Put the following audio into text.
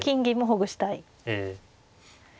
ええ。